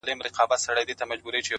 سترگي ور واوښتلې;